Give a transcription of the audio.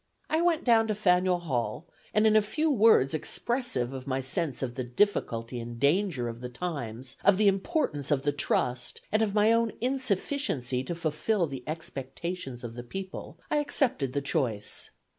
I went down to Faneuil Hall, and in a few words expressive of my sense of the difficulty and danger of the times, of the importance of the trust, and of my own insufficiency to fulfill the expectations of the people, I accepted the choice.